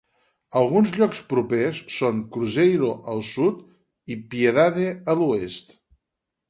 Alguns llocs propers són Cruzeiro al sud i Piedade a l'oest.